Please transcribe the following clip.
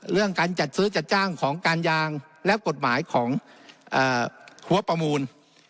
เรื่องการจัดซื้อจัดจ้างของการยางและกฎหมายของหัวประมูล